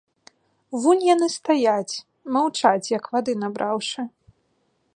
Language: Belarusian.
Вунь яны стаяць, маўчаць, як вады набраўшы.